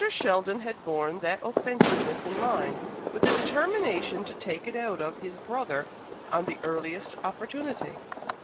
Sheldon had borne that offensiveness in mind, with the determination to "take it out of" his brother on the earliest opportunity.